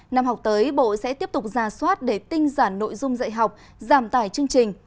năm học tới bộ sẽ tiếp tục ra soát để tinh giản nội dung dạy học giảm tải chương trình